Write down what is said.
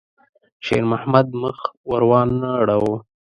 شېرمحمد مخ ور وانه ړاوه.